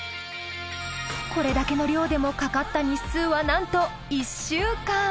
これだけの量でもかかった日数はなんと１週間。